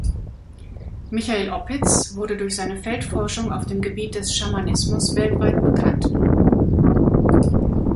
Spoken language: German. Michael Oppitz wurde durch seine Feldforschung auf dem Gebiet des Schamanismus weltweit bekannt.